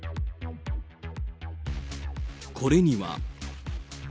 これには。